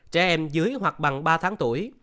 trẻ em dưới hoặc bằng ba tháng tuổi